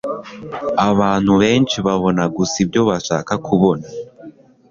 abantu benshi babona gusa ibyo bashaka kubona